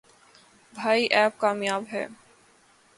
بھائی ایپ کامیاب ہے۔